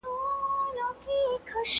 قافلې به د اغیارو پر پېچومو نیمه خوا سي٫